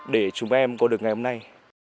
để chúng em có được ngày hôm nay